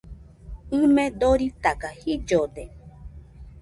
ɨme doritaga jillode